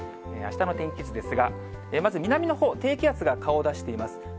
あしたの天気図ですが、まず南のほう、低気圧が顔を出しています。